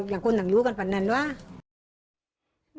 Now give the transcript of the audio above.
ถ้าไม่จริงถ้าไม่จริงไม่จริง